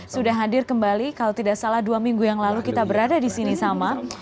sudah hadir kembali kalau tidak salah dua minggu yang lalu kita berada di sini sama